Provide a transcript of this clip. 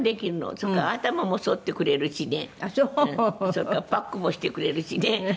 それからパックもしてくれるしね。